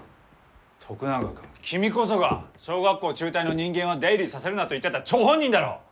徳永君君こそが小学校中退の人間は出入りさせるなと言ってた張本人だろう！？